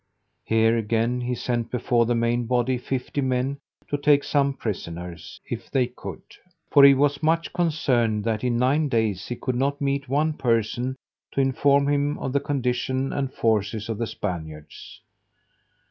Here, again, he sent before the main body fifty men to take some prisoners, if they could; for he was much concerned, that in nine days he could not meet one person to inform him of the condition and forces of the Spaniards.